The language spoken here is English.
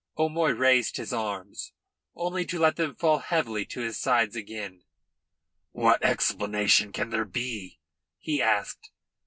O'Moy raised his arms, only to let them fall heavily to his sides again. "What explanation can there be?" he asked.